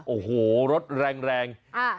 โอ้โหรถแรง